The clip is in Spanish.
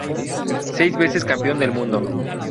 Seis veces campeón del Mundo.